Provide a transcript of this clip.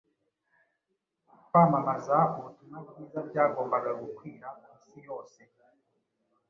Kwamamaza ubutumwa bwiza byagombaga gukwira ku isi yose,